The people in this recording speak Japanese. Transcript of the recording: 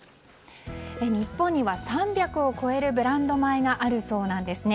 日本には３００を超えるブランド米があるそうなんですね。